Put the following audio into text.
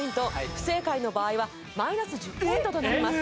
不正解の場合はマイナス１０ポイントとなります。